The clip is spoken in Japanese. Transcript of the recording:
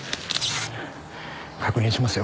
確認しますよ。